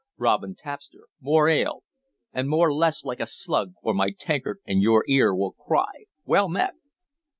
(Robin tapster, more ale! And move less like a slug, or my tankard and your ear will cry, 'Well met!')